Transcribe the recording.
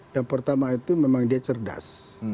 yang pertama itu memang dia cerdas